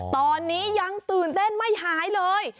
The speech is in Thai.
ตอนนี้ยังตื่นเต้นไม่หายเลย